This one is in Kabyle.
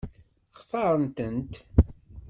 Xtaṛent-tent?